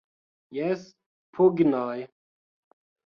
Jes pugnoj!